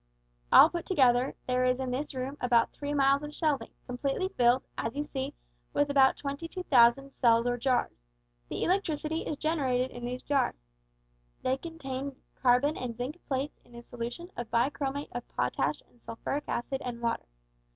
All put together, there is in this room about three miles of shelving, completely filled, as you see, with about 22,000 cells or jars. The electricity is generated in these jars. They contain carbon and zinc plates in a solution of bichromate of potash and sulphuric acid and water.